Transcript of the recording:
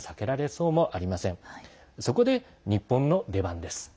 そこで、日本の出番です。